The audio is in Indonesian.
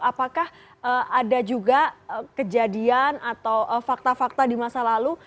apakah ada juga kejadian atau fakta fakta di masa lalu